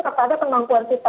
kepada kemampuan kita